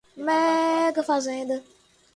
Mega fazenda